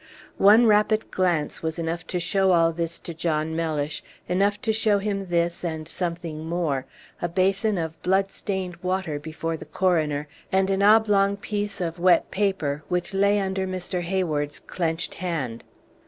One rapid glance was enough to show all Page 137 this to John Mellish enough to show him this, and something more: a basin of blood stained water before the coroner, and an oblong piece of wet paper, which lay under Mr. Hayward's clenched hand.